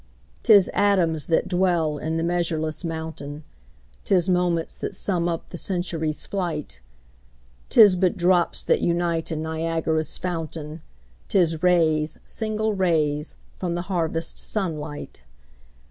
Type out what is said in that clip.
'Tis atoms that dwell in the measureless mountain, 'Tis moments that sum up the century's flight; 'Tis but drops that unite in Niagara's fountain, 'Tis rays, single rays, from the harvest sun light.